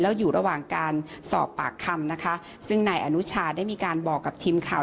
แล้วอยู่ระหว่างการสอบปากคำนะคะซึ่งนายอนุชาได้มีการบอกกับทีมข่าว